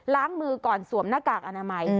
ล้างมือก่อนสวมหน้ากากอนามัย